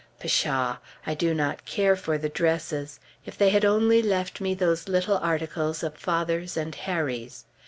Pshaw! I do not care for the dresses, if they had only left me those little articles of father's and Harry's.